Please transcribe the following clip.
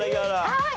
はい。